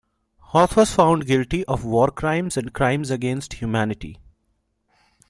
Hoth was found guilty of war crimes and crimes against humanity.